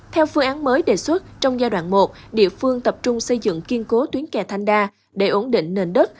theo phương án mới đề xuất trong giai đoạn một địa phương tập trung xây dựng kiên cố tuyến kè thanh đa để ổn định nền đất